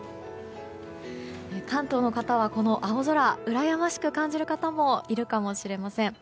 関東の方はこの青空うらやましく感じる方もいるかもしれません。